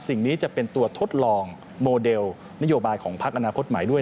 สิ่งนี้จะเป็นตัวทดลองโมเดลนโยบายของพักอนาคตใหม่ด้วย